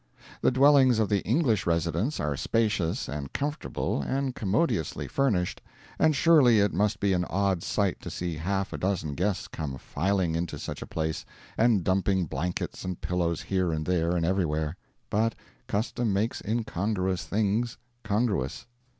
The dwellings of the English residents are spacious and comfortable and commodiously furnished, and surely it must be an odd sight to see half a dozen guests come filing into such a place and dumping blankets and pillows here and there and everywhere. But custom makes incongruous things congruous.